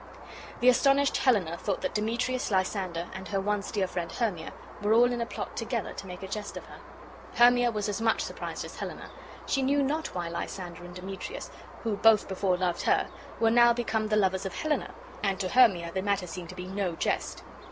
The astonished Helena thought that Demetrius, Lysander, and her once dear friend Hermia were all in a plot together to make a jest of her. Hermia was as much surprised as Helena; she knew not why Lysander and Demetrius, who both before loved her, were now become the lovers of Helena, and to Hermia the matter seemed to be no jest.